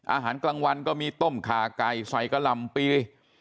อาหารกลางวันก็มีต้มขาไก่ใส่กะหล่ำปี